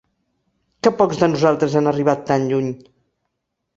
Que pocs de nosaltres han arribat tan lluny!